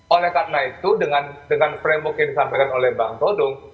oleh karena itu dengan framework yang disampaikan oleh bang todo